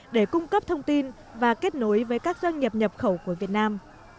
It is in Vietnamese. để cung cấp thông tin và kết nối với các doanh nghiệp nhập khẩu của việt nam